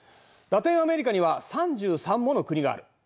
ラテンアメリカには３３もの国がある。